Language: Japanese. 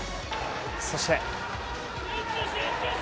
そして。